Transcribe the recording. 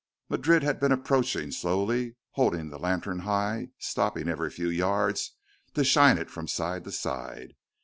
Madrid had been approaching slowly, holding the lantern high, stopping every few yards to shine it from side to side.